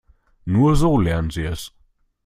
Nur so lernen sie es.